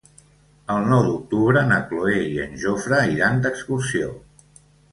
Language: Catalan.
El nou d'octubre na Cloè i en Jofre iran d'excursió.